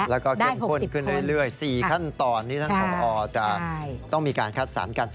แล้วก็เข้มข้นขึ้นเรื่อย๔ขั้นตอนนี้ท่านผอจะต้องมีการคัดสรรกัน